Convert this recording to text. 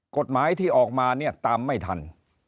กฎหมายที่ออกมาตามไม่ทัน